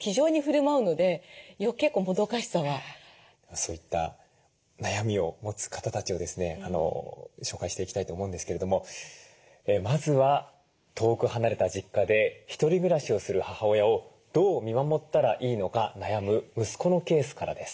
そういった悩みを持つ方たちをですね紹介していきたいと思うんですけれどもまずは遠く離れた実家で一人暮らしをする母親をどう見守ったらいいのか悩む息子のケースからです。